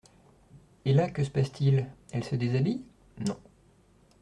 Et là, que se passe-t-il ? Elle se déshabille ? Non.